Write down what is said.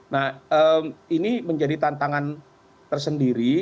nah ini menjadi tantangan tersendiri